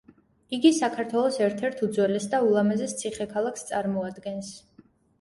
იგი საქართველოს ერთ-ერთ უძველეს და ულამაზეს ციხე-ქალაქს წარმოადგენს.